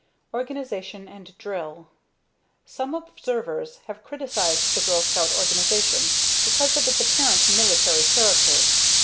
Organization and Drill. Some observers have criticized the Girl Scout organization because of its apparent military character.